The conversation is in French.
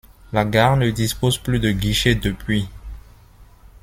La gare ne dispose plus de guichet depuis.